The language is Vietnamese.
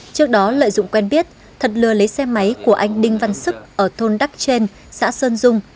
trước đó lợi dụng quen biết thật lừa lấy xe máy của anh đinh văn sức ở thôn đắc trên xã sơn dung